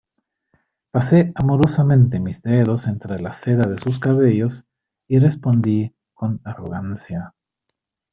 pasé amorosamente mis dedos entre la seda de sus cabellos, y respondí con arrogancia: